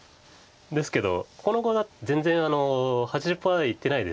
ですけどこの碁全然８０％いってないですよね